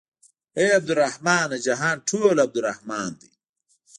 اې عبدالرحمنه جهان ټول عبدالرحمن دى.